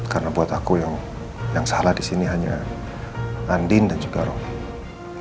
karena buat aku yang salah di sini hanya andin dan juga roma